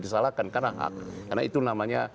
disalahkan karena hak karena itu namanya